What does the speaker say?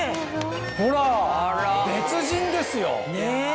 ほら別人ですよ。ねぇ！